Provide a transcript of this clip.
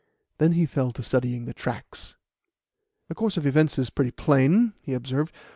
Then he fell to studying the tracks. "The course of events is pretty plain," he observed.